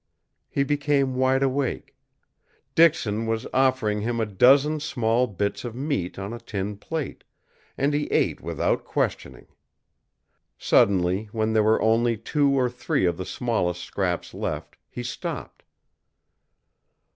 He became wide awake. Dixon was offering him a dozen small bits of meat on a tin plate, and he ate without questioning. Suddenly, when there were only two or three of the smallest scraps left, he stopped.